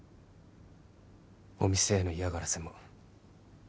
お店への嫌がらせも